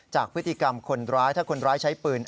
จากพฤติกรรมคนร้ายถ้าคนร้ายใช้ปืน